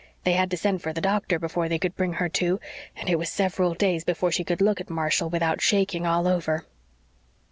They had to send for the doctor before they could bring her to, and it was several days before she could look at Marshall without shaking all over."